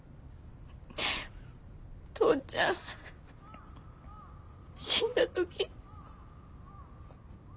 父ちゃん死んだ時。